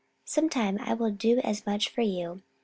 Some time I will do as much for you.